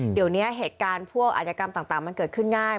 เดี๋ยวนี้เหตุการณ์พวกอาจยกรรมต่างมันเกิดขึ้นง่าย